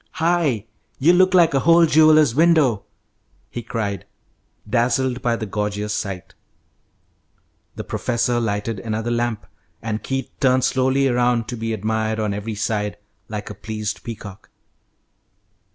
"Hi! You look like a whole jeweller's window!" he cried, dazzled by the gorgeous sight. The professor lighted another lamp, and Keith turned slowly around, to be admired on every side like a pleased peacock.